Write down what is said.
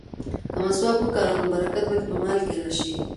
که مسواک وکاروې نو برکت به دې په مال کې راشي.